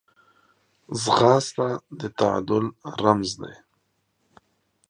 ځغاسته د تعادل رمز دی